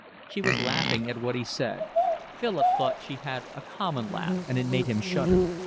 She was laughing at what he said. Philip thought she had a common laugh, and it made him shudder.